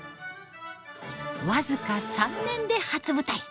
僅か３年で初舞台。